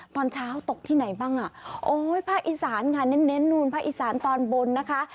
ตอนเช้าตกที่ไหนบ้างอ่ะโอ้ยภาคอีสานค่ะเน้นนู่นภาคอีสานตอนบนนะคะ